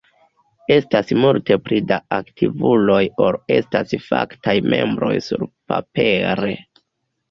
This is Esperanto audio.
Estas multe pli da aktivuloj ol estas faktaj membroj surpapere.